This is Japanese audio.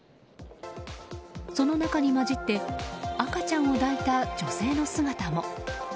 その中に交じって赤ちゃんを抱いた女性の姿も。